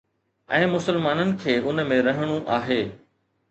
۽ مسلمانن کي ان ۾ رهڻو آهي.